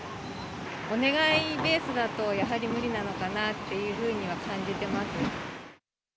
お願いベースだと、やはり無理なのかなっていうふうには感じてます。